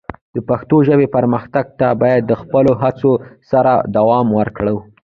د پښتو ژبې پرمختګ ته باید د خپلو هڅو سره دوام ورکړو.